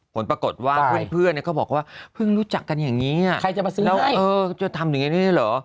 ผลปรากฏว่าเพื่อนก็บอกว่าเพิ่งรู้จักกันอย่างนี้แล้วเออจะทำอย่างนี้หรอ